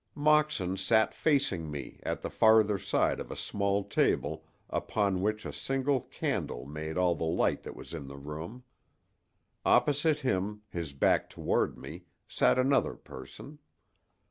Moxon sat facing me at the farther side of a small table upon which a single candle made all the light that was in the room. Opposite him, his back toward me, sat another person.